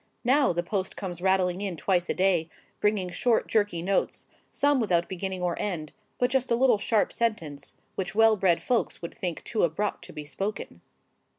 Now the post comes rattling in twice a day, bringing short jerky notes, some without beginning or end, but just a little sharp sentence, which well bred folks would think too abrupt to be spoken.